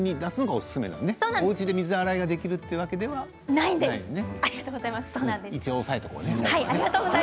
おうちで水洗いできるわけではないんですね。